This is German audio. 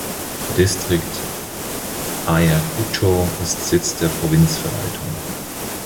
Der Distrikt Ayacucho ist Sitz der Provinzverwaltung.